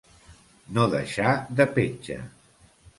No deixar de petja.